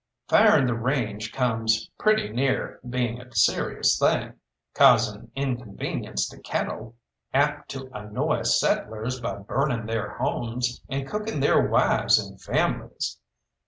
Firing the range comes pretty near being a serious thing, causing inconvenience to cattle, apt to annoy settlers by burning their homes and cooking their wives and families.